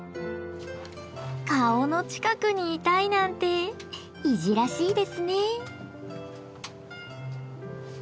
顔の近くにいたいなんていじらしいですね？